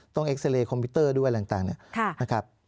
ต้องเอ็กซ์เรย์คอมพิวเตอร์ด้วยอะไรต่างนะครับ